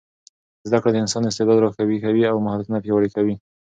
زده کړه د انسان استعداد راویښوي او مهارتونه پیاوړي کوي.